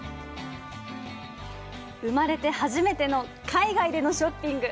生まれて初めての海外でのショッピング。